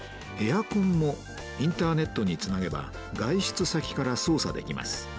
エアコンもインターネットにつなげば外出先から操作できます。